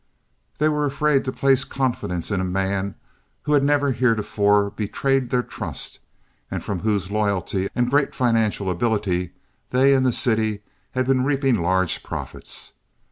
They were afraid to place confidence in a man who had never heretofore betrayed their trust and from whose loyalty and great financial ability they and the city had been reaping large profits.